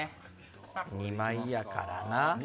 ２枚やからな。